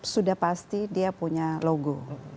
sudah pasti dia punya logo